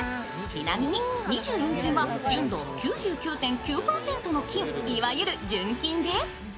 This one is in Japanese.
ちなみに２４金は純度９９．９％の金、いわゆる純金です。